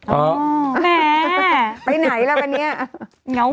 อ๋อแหมไปไหนแล้วเป็นเนี่ย